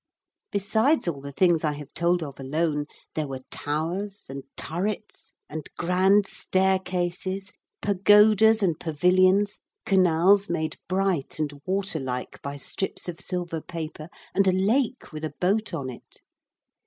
Besides all the things I have told of alone there were towers and turrets and grand staircases, pagodas and pavilions, canals made bright and water like by strips of silver paper, and a lake with a boat on it.